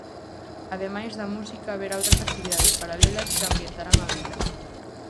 Ademais da música, haberá outras actividades paralelas que ambientarán a vila.